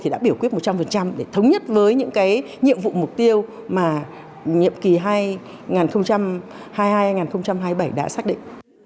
đã biểu quyết một trăm linh để thống nhất với những nhiệm vụ mục tiêu mà nhiệm kỳ hai nghìn hai mươi hai hai nghìn hai mươi bảy đã xác định